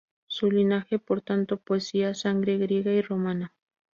Su linaje, por tanto, poseía sangre griega y romana.